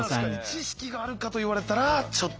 知識があるかと言われたらちょっと。